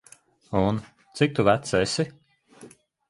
Un, cik tu vecs esi?